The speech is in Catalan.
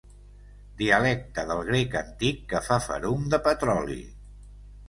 Dialecte del grec antic que fa ferum de petroli.